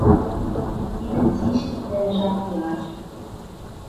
Тидӹм цишти пӓлӓш ак ли ач.